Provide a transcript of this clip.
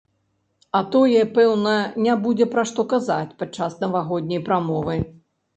А тое, пэўна, не будзе пра што казаць падчас навагодняй прамовы.